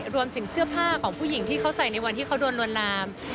รวมถึงเสื้อผ้าของผู้หญิงที่เขาใส่ในวันที่เขาโดนลวนลาม